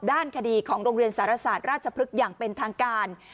ด้านคดีของโรงเรียนสรรษาธิราชพลึกอย่างเป็นทางการ